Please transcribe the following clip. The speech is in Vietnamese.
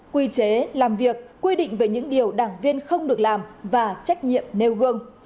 quy chế làm việc quy định về những điều đảng viên không được làm và trách nhiệm nêu gương